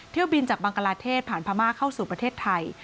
เที่ยวบินจากบังกลาเทศผ่านพม่าเข้าสู่ประเทศไทย